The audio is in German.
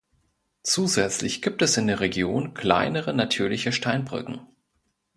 Zusätzlich gibt es in der Region kleinere natürliche Steinbrücken.